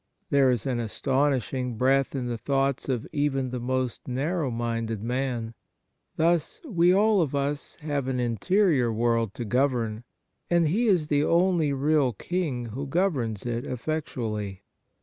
There is an astonishing breadth in the thoughts of even the most narrow minded man. Thus, we all of us have an interior world to govern, and he is the only real king who governs it effectually.